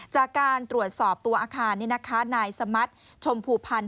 จากการตรวจสอบตัวอาคารนายสมัติชมภูพันธ์